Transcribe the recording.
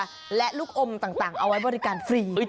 ส่วนเมนูที่ว่าคืออะไรติดตามในช่วงตลอดกิน